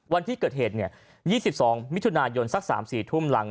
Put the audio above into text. วันที่เกิดเหตุ๒๒มิถุนายนสัก๓๔ทุ่มหลัง